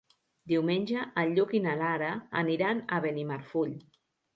Diumenge en Lluc i na Lara aniran a Benimarfull.